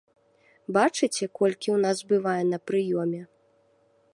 Бачыце, колькі ў нас бывае на прыёме?